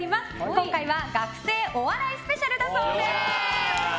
今回は学生お笑いスペシャルだそうです。